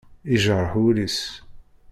Yejreḥ wul-is.